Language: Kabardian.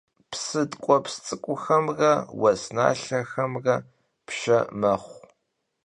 Psı tk'ueps ts'ık'uxemre vues nalhexemre pşşe mexhu.